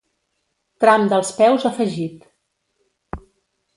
Tram dels peus afegit.